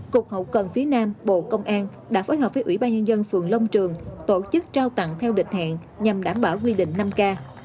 cục hậu cần phía nam bộ công an đã phối hợp với ủy ban nhân dân phường long trường tổ chức trao tặng theo định hẹn nhằm đảm bảo quy định năm k